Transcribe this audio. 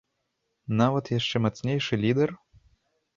Нават яшчэ мацнейшы лідэр?